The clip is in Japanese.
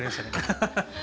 ハハハハ。